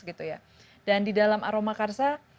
gitu ya dan di dalam aroma karsa